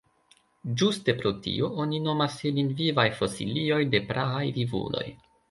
Ĝuste pro tio oni nomas ilin vivaj fosilioj de praaj vivuloj.